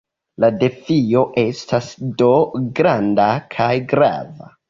La defio estas do granda kaj grava.